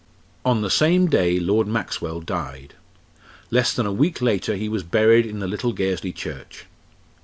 On the same day Lord Maxwell died. Less than a week later he was buried in the little Gairsley church.